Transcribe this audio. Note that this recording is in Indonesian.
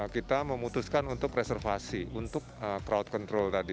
kita memutuskan untuk reservasi untuk crowd control tadi